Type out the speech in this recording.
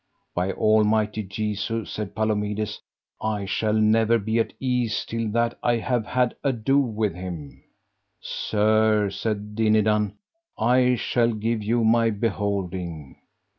By almighty Jesu, said Palomides, I shall never be at ease till that I have had ado with him. Sir, said Dinadan, I shall give you my beholding.